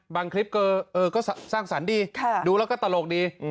คลิปก็สร้างสรรค์ดีดูแล้วก็ตลกดี